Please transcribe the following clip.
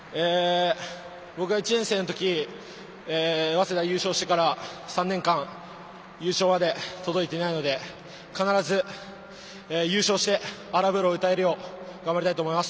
僕が１年生の時早稲田が優勝してから３年間優勝まで届いていないので必ず優勝して「荒ぶる」を歌えるよう頑張りたいと思います。